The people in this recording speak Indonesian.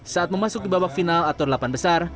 saat memasuk di babak final atau delapan besar